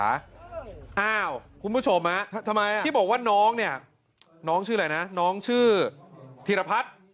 อ้าวคุณผู้ชมที่บอกว่าน้องเนี่ยน้องชื่ออะไรนะน้องชื่อธีรพัฒน์